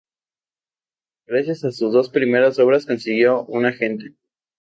Gracias a sus dos primeras obras consiguió un agente.